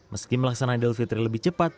meski melaksanakan eid lebih cepat